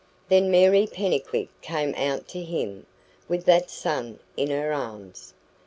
Then Mary Pennycuick came out to him, with that son in her arms.